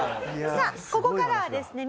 さあここからはですね